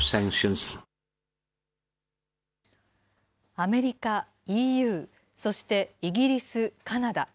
アメリカ、ＥＵ、そしてイギリス、カナダ。